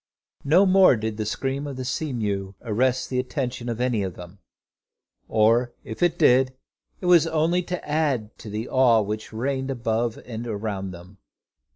No more did the scream of the sea mew arrest the attention of any of them, or if it did, it was only to add to the awe which reigned above and around them.